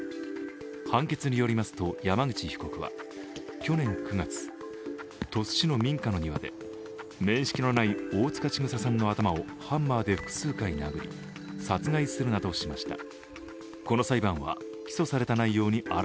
判決によりますと、山口被告は去年９月、鳥栖市の民家の庭で面識のない大塚千種さんの頭をハンマーで複数回殴り殺害するなどしました。